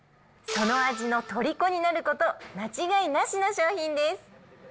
その味のとりこになること間違いなしな商品です。